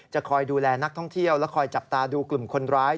คอยดูแลนักท่องเที่ยวและคอยจับตาดูกลุ่มคนร้าย